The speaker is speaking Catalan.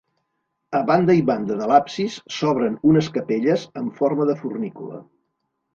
A banda i banda de l'absis s'obren unes capelles amb forma de fornícula.